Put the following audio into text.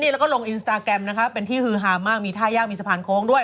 แล้วก็ลงอินสตาแกรมนะคะเป็นที่ฮือฮามากมีท่ายากมีสะพานโค้งด้วย